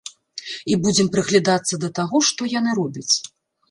І будзем прыглядацца да таго, што яны робяць.